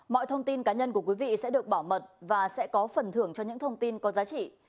mọi thông tin cá nhân của quý vị sẽ được bảo mật và sẽ có phần thưởng cho những thông tin có giá trị